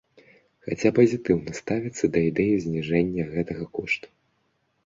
Хаця пазітыўна ставіцца да ідэі зніжэння гэтага кошту.